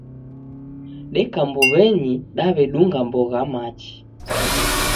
Deka mbuw'enyi, daw'edunga mbogha machi